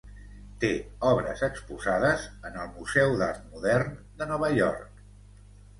Té obres exposades en el Museu d'Art Modern de Nova York.